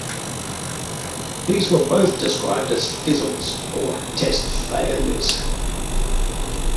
These were both described as fizzles, or test failures.